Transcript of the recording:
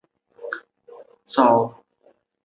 下格布拉是德国图林根州的一个市镇。